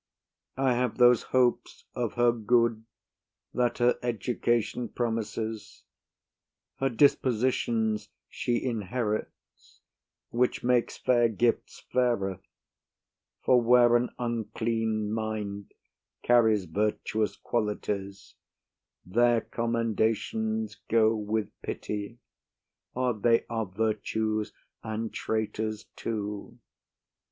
I have those hopes of her good that her education promises her dispositions she inherits, which makes fair gifts fairer; for where an unclean mind carries virtuous qualities, there commendations go with pity, they are virtues and traitors too.